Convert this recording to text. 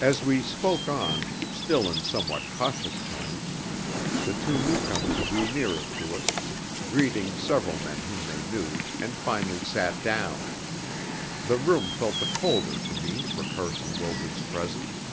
As we spoke on, still in somewhat cautious tones, the two newcomers drew nearer to us, greeting several men whom they knew, and finally sat down. The room felt the colder to me for Carson Wildred's presence.